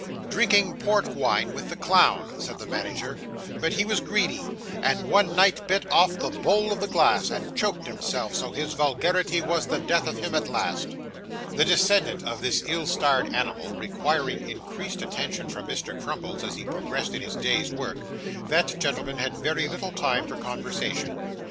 'Drinking port wine with the clown,' said the manager; 'but he was greedy, and one night bit off the bowl of the glass, and choked himself, so his vulgarity was the death of him at last.' The descendant of this ill starred animal requiring increased attention from Mr. Crummles as he progressed in his day's work, that gentleman had very little time for conversation.